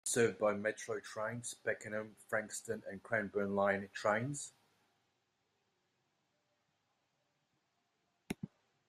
It is served by Metro Trains' Pakenham, Frankston, and Cranbourne line trains.